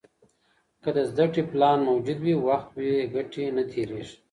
که د زده کړې پلان موجود وي، وخت بې ګټې نه تېرېږي.